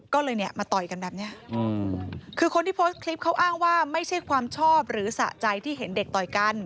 ก็เลยเนี่ยมาต่อยกันแบบนี้คือคนที่โพสต์คลิปเขาอ้างว่าไม่ใช่ความชอบหรือสะใจที่เห็นเด็กต่อยกัน